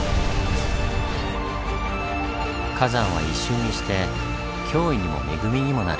火山は一瞬にして脅威にも恵みにもなる。